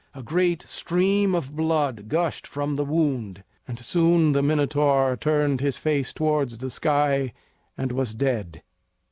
A great stream of blood gushed from the wound, and soon the Minotaur turned his face towards the sky and was dead.